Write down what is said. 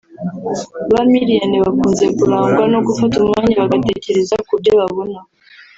Ba Myriam bakunze kurangwa no gufata umwanya bagatekereza kubyo babona